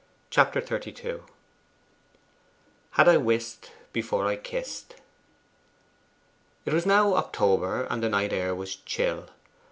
Chapter XXXII 'Had I wist before I kist' It was now October, and the night air was chill.